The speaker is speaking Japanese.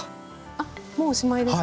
あっもうおしまいですか？